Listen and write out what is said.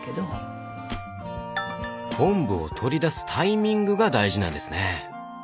昆布を取り出すタイミングが大事なんですね。